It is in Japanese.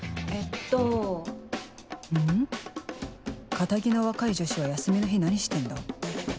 堅気の若い女子は休みの日何してんだ？